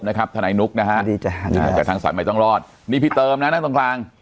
นะครับทนายนุกนะฮะทางศักดิ์ไม่ต้องรอดนี่พี่เติมนะนั่งตรง